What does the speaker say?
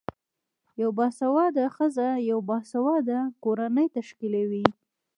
یوه باسیواده خځه یوه باسیواده کورنۍ تشکلوی